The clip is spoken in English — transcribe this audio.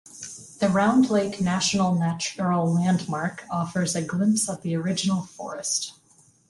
The Round Lake National Natural Landmark offers a glimpse of the original forest.